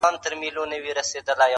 يو ما و تا~